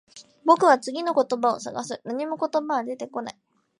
僕は次の言葉を探す。何も言葉は出てこない。